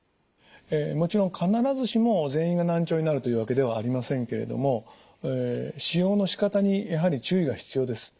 もちろん必ずしも全員が難聴になるというわけではありませんけれども使用の仕方にやはり注意が必要です。